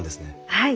はい。